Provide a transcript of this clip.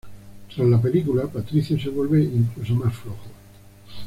Tras la película, Patricio se vuelve incluso más flojo.